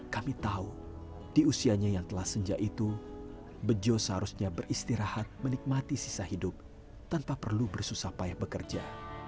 kami tahu di usianya yang telah senja itu bejo seharusnya beristirahat menikmati sisa hidup tanpa perlu bersusah payah bekerja